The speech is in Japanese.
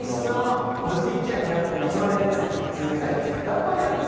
いつまで続けたいですか？